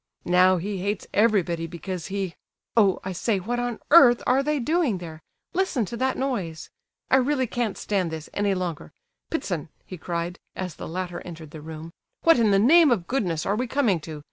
Now he hates everybody because he—Oh, I say, what on earth are they doing there! Listen to that noise! I really can't stand this any longer. Ptitsin!" he cried, as the latter entered the room, "what in the name of goodness are we coming to?